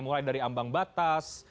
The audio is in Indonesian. mulai dari ambang batas